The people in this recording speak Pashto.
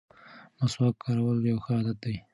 مسواک کارول یو ښه عادت دی.